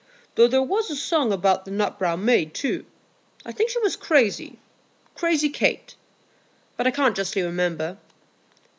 "Though there was a song about the 'Nut brown Maid' too; I think she was crazy,—crazy Kate,—but I can't justly remember."